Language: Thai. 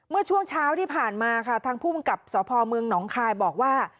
เมื่อช่วงเช้าที่ผ่านมาค่ะทางภูมิกับสพเมืองหนองคายบอกว่า